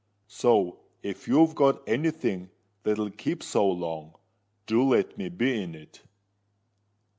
So, if you've got any thing that'll keep so long, do let me be in it.